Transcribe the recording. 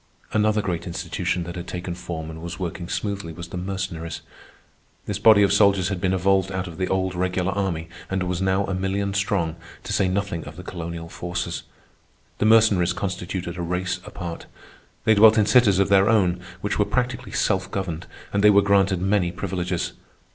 Another great institution that had taken form and was working smoothly was the Mercenaries. This body of soldiers had been evolved out of the old regular army and was now a million strong, to say nothing of the colonial forces. The Mercenaries constituted a race apart. They dwelt in cities of their own which were practically self governed, and they were granted many privileges.